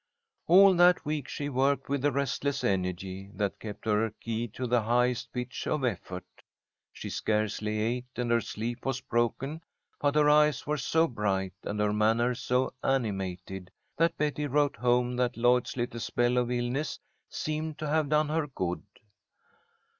All that week she worked with a restless energy that kept her keyed to the highest pitch of effort. She scarcely ate, and her sleep was broken, but her eyes were so bright and her manner so animated, that Betty wrote home that Lloyd's little spell of illness seemed to have done her good.